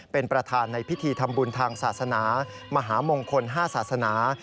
เป็นประธานในพิธีทำบุญทางศาสนามหามงคล๕ศาสนา